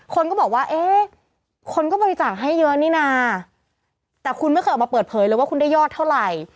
คนก็บอกว่าเอ๊ะคนก็บริจาคให้เยอะนี่นะแต่คุณไม่เคยออกมาเปิดเผยเลยว่าคุณได้ยอดเท่าไหร่